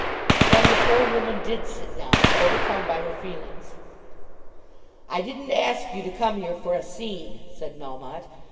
Then the poor woman did sit down, overcome by her feelings. "I didn't ask you to come here for a scene," said Melmotte.